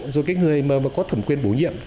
rồi cái người mà có thẩm quyền bổ nhiệm